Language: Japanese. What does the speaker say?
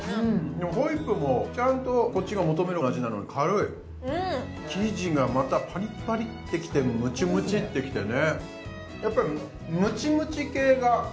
でもホイップもちゃんとこっちが求める味なのに軽い生地がまたパリパリってきてムチムチってきてね